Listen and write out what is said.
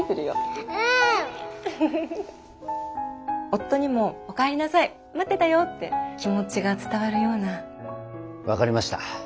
夫にも「お帰りなさい待ってたよ！」って気持ちが伝わるよう分かりました。